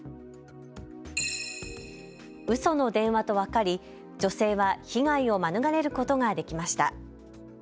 うその電話と分かり、女性は被害を免れることができました。